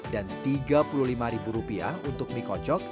dan tiga puluh lima rupiah untuk mie kocok